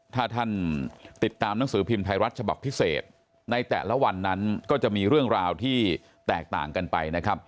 ถ้าท่านติดตามหนังสือพิมพ์ไทยรัฐฉบับพิเศษในแต่ละวันนั้นก็จะมีเรื่องราวที่แตกต่างกันไปนะครับ